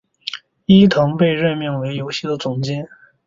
伊藤被任命为游戏的总监。